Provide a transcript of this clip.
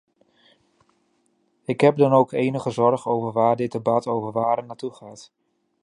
Ik heb dan ook enige zorg over waar dit debat over waarden naartoe gaat.